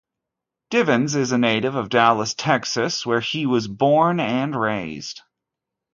Divins is a native of Dallas, Texas where he was born and raised.